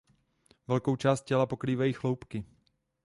Velkou část těla pokrývají chloupky.